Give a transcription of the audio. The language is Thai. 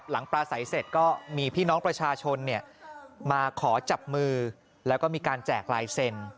ปลาใสเสร็จก็มีพี่น้องประชาชนมาขอจับมือแล้วก็มีการแจกลายเซ็นต์